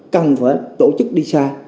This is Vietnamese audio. cần phải tổ chức đi xa